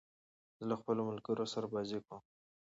زه له خپلو ملګرو سره بازۍ کوم.